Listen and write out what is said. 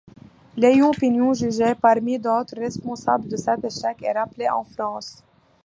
Léon Pignon jugé, parmi d'autres, responsable de cet échec est rappelé en France.